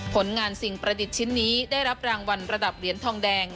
ผลงานสิ่งประดิษฐ์ชิ้นนี้ได้รับรางวัลระดับเหรียญทองแดง